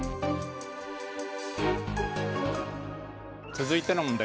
続いての問題